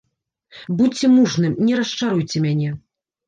Будзьце мужным, не расчаруйце мяне!